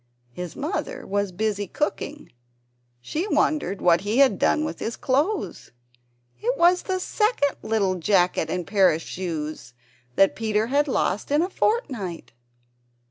His mother was busy cooking; she wondered what he had done with his clothes. It was the second little jacket and pair of shoes that Peter had lost in a fortnight!